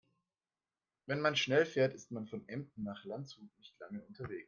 Wenn man schnell fährt, ist man von Emden nach Landshut nicht lange unterwegs